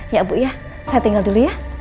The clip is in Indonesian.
ya bu ya saya tinggal dulu ya